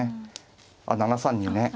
あっ７三にねはい。